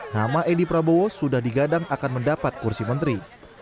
nama edi prabowo sudah digadang akan mendapat kursi menteri